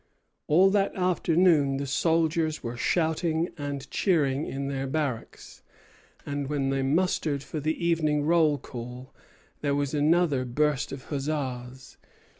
All that afternoon the soldiers were shouting and cheering in their barracks; and when they mustered for the evening roll call, there was another burst of huzzas.